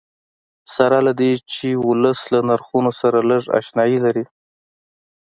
سره له دې چې ولس له نرخونو سره لږ اشنایي لري.